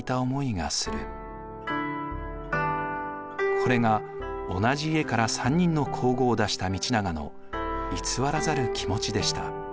これが同じ家から３人の皇后を出した道長の偽らざる気持ちでした。